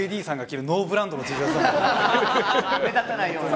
目立たないような。